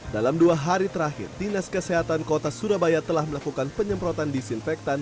dalam dua hari terakhir dinas kesehatan kota surabaya telah melakukan penyemprotan disinfektan